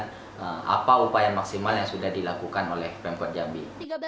penilaian apa upaya maksimal yang sudah dilakukan oleh pm kod jambi